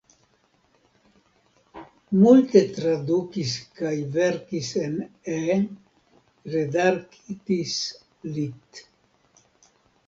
Multe tradukis kaj verkis en E, redaktis lit.